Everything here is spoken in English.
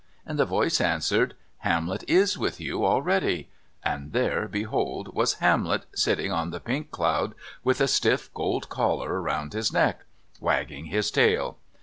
And the voice answered: "Hamlet is with you already," and there, behold, was Hamlet sitting on the pink cloud with a stiff gold collar round his neck, wagging his tail.